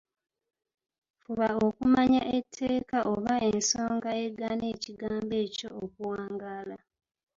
Fuba okumanya etteeka oba ensonga egaana ekigambo ekyo okuwangaala.